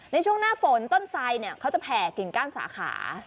ในช่วงหน้าฝนต้นไสเขาจะแผ่กิ่งก้านสาขา